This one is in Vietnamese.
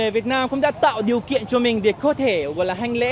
việt nam cũng đã tạo điều kiện cho mình để có thể hành lễ